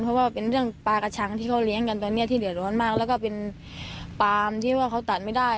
เพราะว่าเป็นเรื่องปลากระชังที่เขาเลี้ยงกันตอนนี้ที่เดือดร้อนมากแล้วก็เป็นปามที่ว่าเขาตัดไม่ได้